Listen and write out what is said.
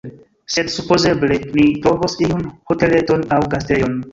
Sed supozeble ni trovos iun hoteleton aŭ gastejon.